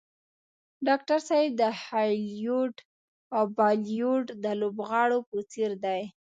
ډاکټر صاحب د هالیوډ او بالیوډ د لوبغاړو په څېر دی.